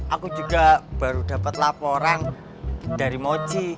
aku juga baru dapat laporan dari mochi